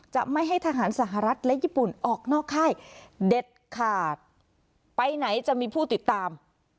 จะไม่ให้ทหารสหรัฐและญี่ปุ่นออกนอกค่ายเด็ดขาดไปไหนจะมีผู้ติดตาม